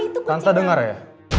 tante denger ya